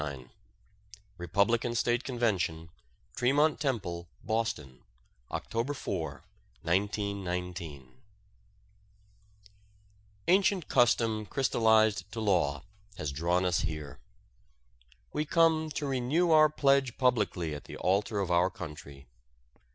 XXXIX REPUBLICAN STATE CONVENTION, TREMONT TEMPLE, BOSTON OCTOBER 4, 1919 Ancient custom crystallized to law has drawn us here. We come to renew our pledge publicly at the altar of our country.